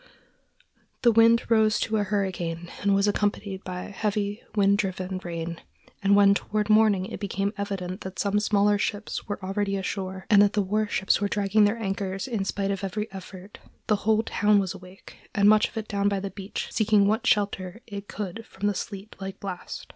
The wind rose to a hurricane and was accompanied by heavy, wind driven rain, and when toward morning it became evident that some smaller ships were already ashore, and that the war ships were dragging their anchors in spite of every effort, the whole town was awake, and much of it down by the beach seeking what shelter it could from the sleet like blast.